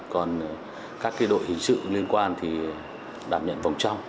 còn các đội hình sự liên quan thì đảm nhận vòng trong